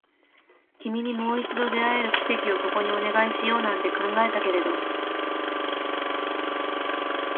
君にもう一度出会える奇跡をここにお願いしようなんて考えたけれど